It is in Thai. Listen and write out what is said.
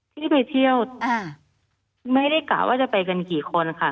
ที่ไปเที่ยวอ่าไม่ได้กะว่าจะไปกันกี่คนค่ะ